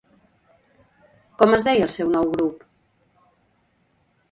Com es deia el seu nou grup?